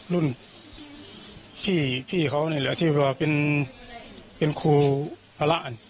รุ่นพี่เขานี่แหละที่ว่าเป็นครูภาระ